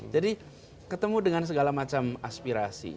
jadi ketemu dengan segala macam asli